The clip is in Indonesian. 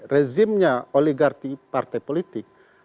rezimnya oligarki partai politik